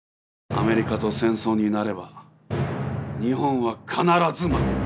アメリカと戦争になれば日本は必ず負ける。